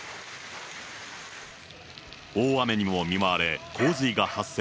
大雨にも見舞われ、洪水が発生。